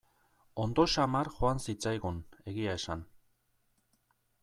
Ondo samar joan zitzaigun, egia esan.